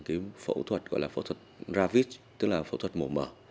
cái phẫu thuật gọi là phẫu thuật ravid tức là phẫu thuật mổ mở